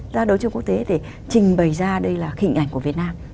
ra đấu trường quốc tế để trình bày ra đây là hình ảnh của việt nam